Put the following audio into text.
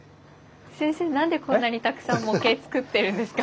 先生なんでこんなにたくさん模型作ってるんですか？